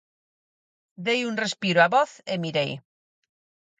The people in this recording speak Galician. Dei un respiro á voz e mirei.